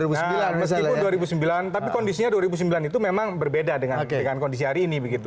nah meskipun dua ribu sembilan tapi kondisinya dua ribu sembilan itu memang berbeda dengan kondisi hari ini begitu